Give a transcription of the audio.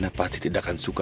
ini aku udah di makam mami aku